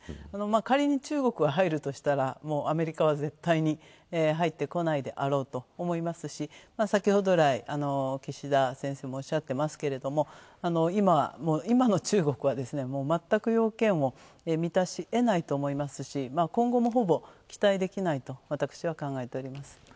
仮に中国が入るとしたら、アメリカは絶対に入ってこないであろうと思いますし先ほど来、岸田先生もおっしゃってますけども今の中国は全く要件を満たしえないと思いますし今後もほぼ期待できないと私は考えております。